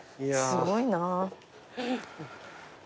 すごいな。